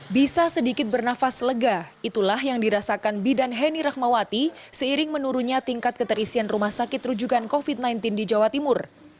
bisa sedikit bernafas lega itulah yang dirasakan bidan heni rahmawati seiring menurunnya tingkat keterisian rumah sakit rujukan covid sembilan belas di jawa timur